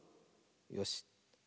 よし。